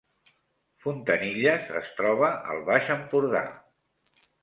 Fontanilles es troba al Baix Empordà